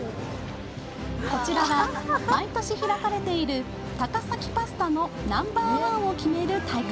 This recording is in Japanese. こちらは毎年開かれている高崎パスタのナンバーワンを決める大会。